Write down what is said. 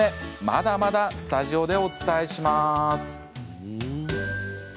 まだまだスタジオでお伝えします。